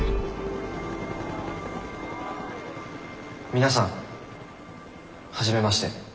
皆さん初めまして。